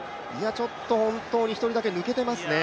本当に１人だけ抜けてますね。